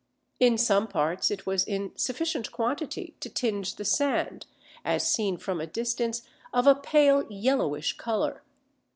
... In some parts it was in sufficient quantity to tinge the sand, as seen from a distance, of a pale yellowish colour.